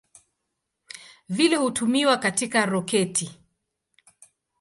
Vile hutumiwa katika roketi.